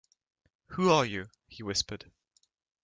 “Who are you?” he whispered.